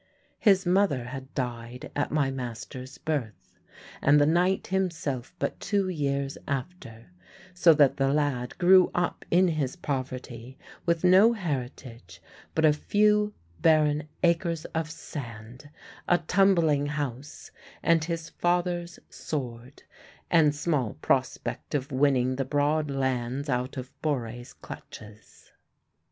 His mother had died at my master's birth, and the knight himself but two years after, so that the lad grew up in his poverty with no heritage but a few barren acres of sand, a tumbling house, and his father's sword, and small prospect of winning the broad lands out of Borre's clutches.